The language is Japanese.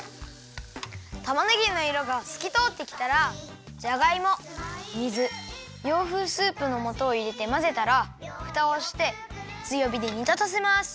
たまねぎのいろがすきとおってきたらじゃがいも水洋風スープのもとをいれてまぜたらふたをしてつよびでにたたせます。